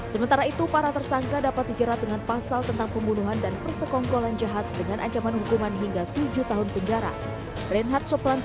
sementara itu para tersangka dapat dijerat dengan pasal tentang pembunuhan dan persekongkolan jahat dengan ancaman hukuman hingga tujuh tahun penjara